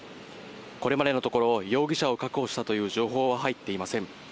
これまでのところ容疑者を確保したという情報は入っていません。